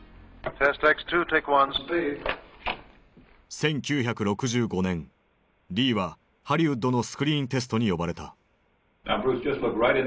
１９６５年リーはハリウッドのスクリーンテストに呼ばれた。